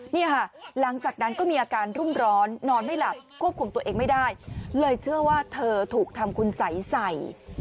นี่ค่ะหลังจากนั้นก็มีอาการรุ่มร้อนนอนไม่หลับควบคุมตัวเองไม่ได้เลยเชื่อว่าเธอถูกทำคุณสัยใส่